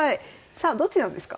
さあどっちなんですか？